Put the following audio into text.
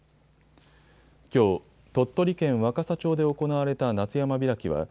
きょう鳥取県若桜町で行われた夏山開きは